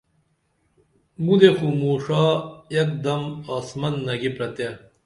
مُدے خو موں ݜا ایک دم آسمن نگی پرتے